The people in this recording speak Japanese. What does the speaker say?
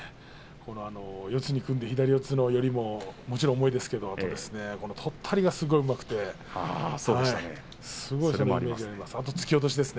四つに組んで左四つの寄りも重いんですけれどもとったりかすごいうまくてすごいイメージがあります。